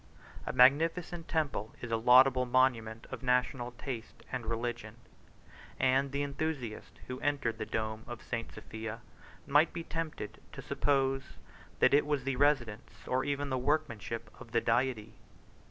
A magnificent temple is a laudable monument of national taste and religion; and the enthusiast who entered the dome of St. Sophia might be tempted to suppose that it was the residence, or even the workmanship, of the Deity.